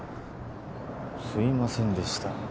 すいませんでした。